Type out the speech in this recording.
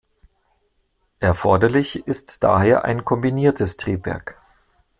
Erforderlich ist daher ein kombiniertes Triebwerk.